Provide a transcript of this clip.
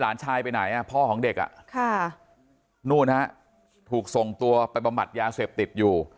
หลานชายไปไหนอะพ่อของเด็กอ่ะค่านู่นน่ะทุกที่ส่งตัวไปประมาทยาเสพติดอยู่